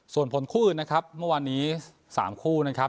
ส่วนผลคู่อื่นนะครับเมื่อวานนี้๓คู่นะครับ